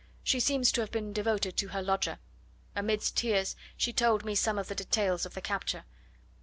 She seems to have been devoted to her lodger. Amidst tears she told me some of the details of the capture.